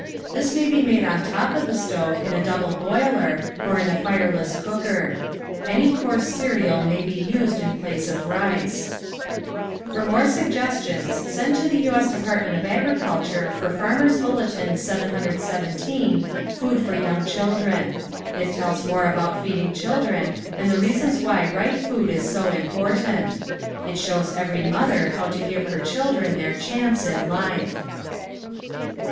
This may be made on top of the stove in a double boiler, or in a fireless cooker. Any coarse cereal may be used in place of rice. For more suggestions, send to the U. S. Department of Agriculture for Farmers' Bul letin 717, "Food for Young Children." It tells mora about feeding children and the reasons why right food is so important. It shows every mother how to give her children their chance in life.